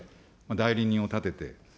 代理人を立てて。